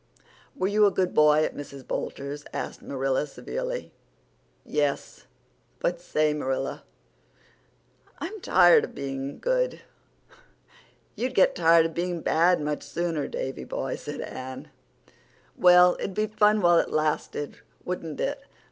"Were you a good boy at Mrs. Boulter's?" asked Marilla severely. "Yes; but say, Marilla, I'm tired of being good." "You'd get tired of being bad much sooner, Davy boy," said Anne. "Well, it'd be fun while it lasted, wouldn't it?"